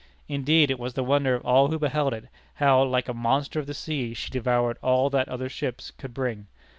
Indeed, it was the wonder of all who beheld it, how, like a monster of the sea, she devoured all that other ships could bring.